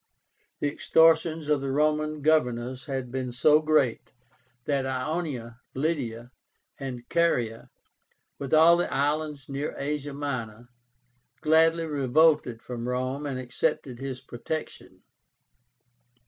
The extortions of the Roman governors had been so great, that Ionia, Lydia, and Caria, with all the islands near Asia Minor, gladly revolted from Rome, and accepted his protection.